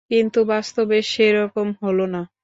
কিন্তু বাস্তবে সেরকম হলো না।